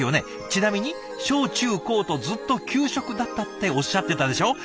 ちなみに小中高とずっと給食だったっておっしゃってたでしょう？